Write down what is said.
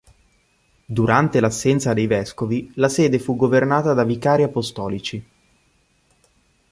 Durante l'assenza dei vescovi la sede fu governata da vicari apostolici.